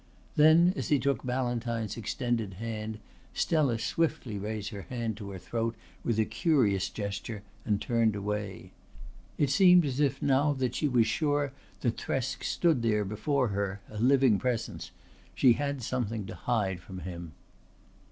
Then, as he took Ballantyne's extended hand, Stella swiftly raised her hand to her throat with a curious gesture and turned away. It seemed as if now that she was sure that Thresk stood there before her, a living presence, she had something to hide from him.